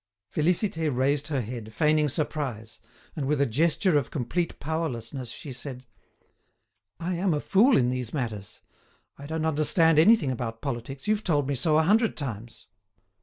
Félicité raised her head, feigning surprise; and with a gesture of complete powerlessness she said: "I am a fool in these matters. I don't understand anything about politics, you've told me so a hundred times."